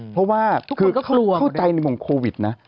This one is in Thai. เพราะว่าทุกคนเข้าใจในมุมโควิดนะ